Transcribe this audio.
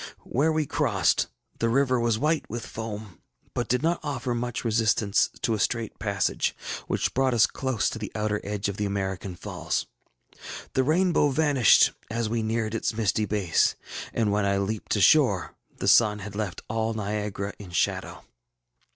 Where we crossed the river was white with foam, yet did not offer much resistance to a straight passage, which brought us close to the outer edge of the American falls. The rainbow vanished as we neared its misty base, and when I leaped ashore, the sun had left all Niagara in shadow.